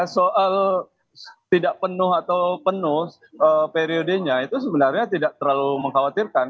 soal tidak penuh atau penuh periodenya itu sebenarnya tidak terlalu mengkhawatirkan